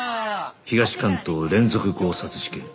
東関東連続強殺事件